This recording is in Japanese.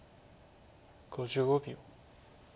５５秒。